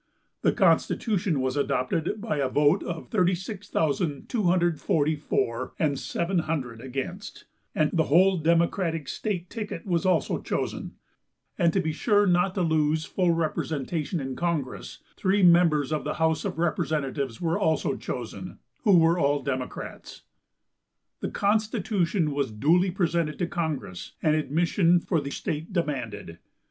The constitution was adopted by a vote of 36,240 for, and 700 against, and the whole Democratic state ticket was also chosen; and to be sure not to lose full representation in congress, three members of the house of representatives were also chosen, who were all Democrats. The constitution was duly presented to congress, and admission for the state demanded.